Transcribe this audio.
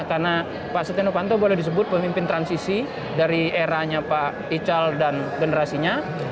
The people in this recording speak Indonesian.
karena pak setienopanto boleh disebut pemimpin transisi dari eranya pak ical dan generasinya